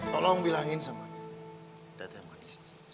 tolong bilangin sama teh teh manis